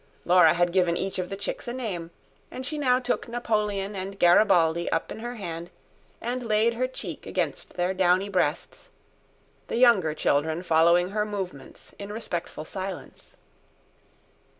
Laura had given each of the chicks a name, and she now took Napoleon and Garibaldi up in her hand and laid her cheek against their downy breasts, the younger children following her movements in respectful silence.